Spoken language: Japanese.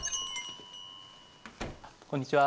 こんにちは。